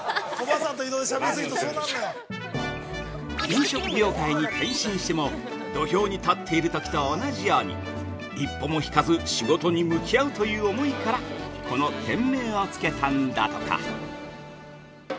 ◆飲食業界に転身しても土俵に立っているときと同じように、一歩も引かず仕事に向き合うという思いからこの店名をつけたんだとか。